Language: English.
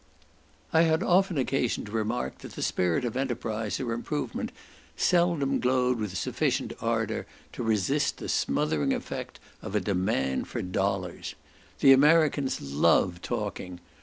I had often occasion to remark that the spirit of enterprise or improvement seldom glowed with sufficient ardour to resist the smothering effect of a demand for dollars. The Americans love talking.